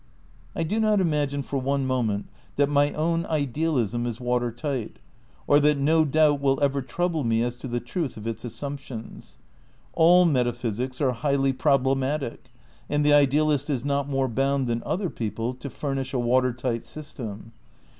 I do not imagine for one moment that my own idealism is watertight, or that no doubt will ever trou ble me as to the truth of its assumptions. All meta physics are highly problematic, and the idealist is not more bound than other people to furnish a watertight system.